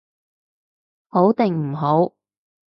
好定唔好？